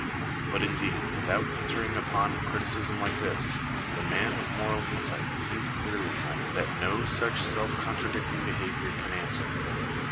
But, indeed, without entering upon a criticism like this, the man of moral insight sees clearly enough that no such self contradicting behaviour can answer.